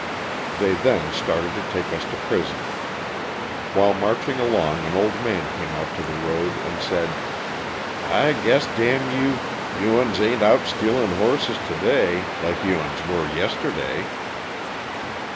They then started to take us to prison. While march ing along an old man came out to the road and said, I guess, d you, you 'uns ain't out stealing horses today like you 'uns were yesterday."